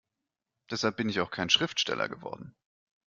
Deshalb bin ich auch kein Schriftsteller geworden.